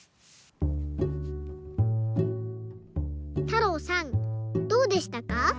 たろうさんどうでしたか？